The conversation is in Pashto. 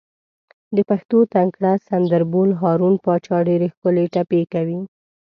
د پښتو تکړه سندر بول، هارون پاچا ډېرې ښکلې ټپې کوي.